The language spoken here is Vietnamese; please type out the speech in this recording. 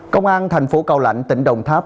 công an thành phố cao lạnh tỉnh đồng tháp